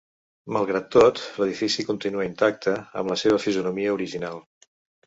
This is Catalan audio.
Malgrat tot, l’edifici continua intacte, amb la seva fisonomia original.